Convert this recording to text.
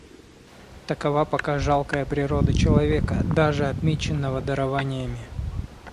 Такова пока жалкая природа человека, даже отмеченного дарованиями.